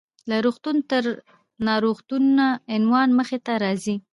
له روغتون تر ناروغتونه: عنوان مخې ته راځي .